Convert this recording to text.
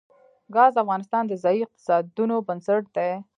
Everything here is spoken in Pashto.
ګاز د افغانستان د ځایي اقتصادونو بنسټ دی.